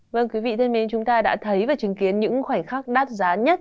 vâng quý vị thân mến chúng ta đã thấy và chứng kiến những khoảnh khắc đát giá nhất